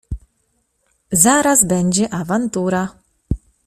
Zaraz będzie awantura…